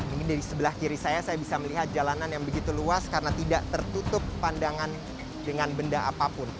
ini dari sebelah kiri saya saya bisa melihat jalanan yang begitu luas karena tidak tertutup pandangan dengan benda apapun